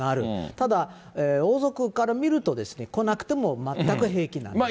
ただ、王族から見るとですね、来なくても全く平気なんですね。